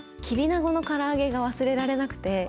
きびなごのから揚げが忘れられなくて。